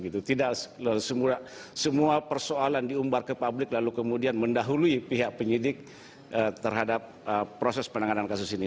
tidak semua persoalan diumbar ke publik lalu kemudian mendahului pihak penyidik terhadap proses penanganan kasus ini